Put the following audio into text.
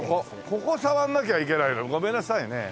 ここを触んなきゃいけないのにごめんなさいね。